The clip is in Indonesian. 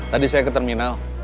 tadi saya ke terminal